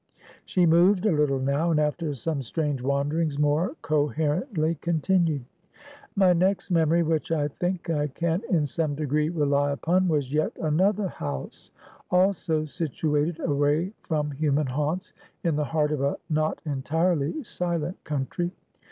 She moved a little now, and after some strange wanderings more coherently continued. "My next memory which I think I can in some degree rely upon, was yet another house, also situated away from human haunts, in the heart of a not entirely silent country.